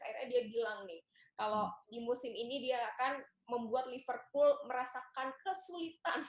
akhirnya dia bilang nih kalau di musim ini dia akan membuat liverpool merasakan kesulitan